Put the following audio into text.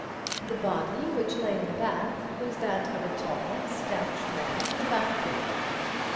The body which lay in the bath was that of a tall, stout man of about fifty.